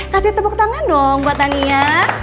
kasih tepuk tangan dong buat tania